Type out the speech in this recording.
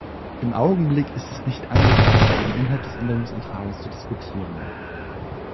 Im Augenblick ist es nicht angebracht, den Inhalt des Änderungsantrages zu diskutieren.